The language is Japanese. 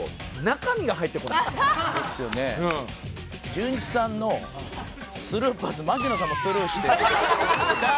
じゅんいちさんのスルーパス槙野さんもスルーして誰も。